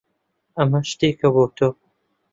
ئەمە شتێکە بۆ تۆ.